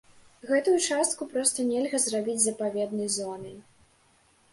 Гэтую частку проста нельга зрабіць запаведнай зонай.